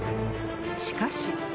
しかし。